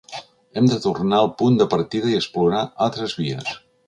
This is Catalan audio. Hem de tornar al punt de partida i explorar altres vies.